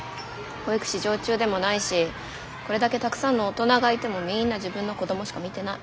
保育士常駐でもないしこれだけたくさんの大人がいてもみんな自分の子供しか見てない。